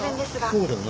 そうだよな。